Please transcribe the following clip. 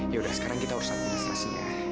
yaudah sekarang kita harus administrasi ya